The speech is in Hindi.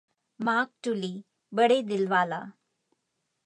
मार्क टुलीः बड़े दिलवाला